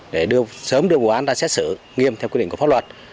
để sớm đưa vụ án ra xét xử nghiêm theo quy định của pháp luật